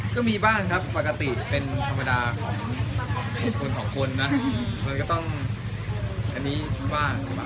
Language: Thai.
ก็มีบ้านครับปกติเป็นธรรมดาของ๖คน๒คนนะ